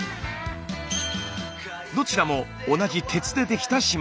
どちらも同じ鉄でできた島。